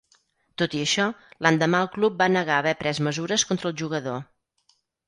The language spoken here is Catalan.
Tot i això, l'endemà el club va negar haver pres mesures contra el jugador.